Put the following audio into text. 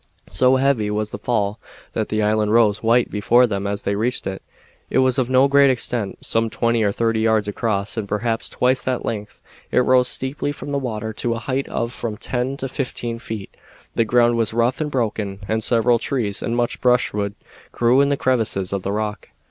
So heavy was the fall that the island rose white before them as they reached it. It was of no great extent some twenty or thirty yards across, and perhaps twice that length. It rose steeply from the water to a height of from ten to fifteen feet. The ground was rough and broken, and several trees and much brushwood grew in the crevices of the rock.